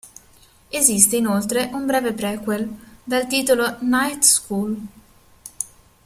Esiste inoltre un breve prequel, dal titolo "Night School.